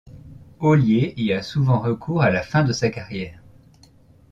Ollier y a souvent recours à la fin de sa carrière.